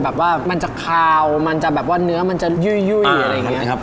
แบบว่ามันจะคาวมันจะแบบว่าเนื้อมันจะยุ่ยอะไรอย่างนี้ครับ